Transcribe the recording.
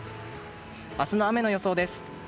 明日の雨の予想です。